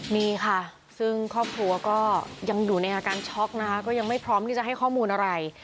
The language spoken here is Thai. นี่ค่ะซึ่งครอบครัวก็ยังอยู่ในอาการช็อกนะคะก็ยังไม่พร้อมที่จะให้ข้อมูลอะไร